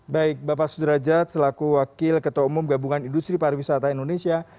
baik bapak sudrajat selaku wakil ketua umum gabungan industri pariwisata indonesia